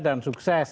dan sukses ya